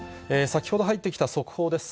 先ほど入ってきた速報です。